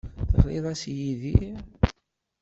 Teɣrid-as i Yidir?